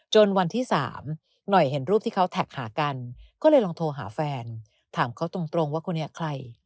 วันที่๓หน่อยเห็นรูปที่เขาแท็กหากันก็เลยลองโทรหาแฟนถามเขาตรงว่าคนนี้ใคร